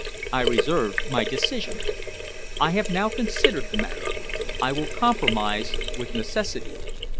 I reserved my decision. I have now considered the matter. I will compromise with necessity.